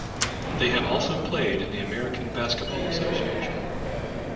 They have also played in the American Basketball Association.